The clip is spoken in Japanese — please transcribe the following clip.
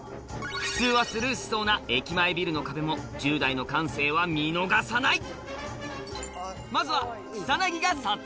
普通はスルーしそうな駅前ビルの壁も１０代の感性は見逃さない！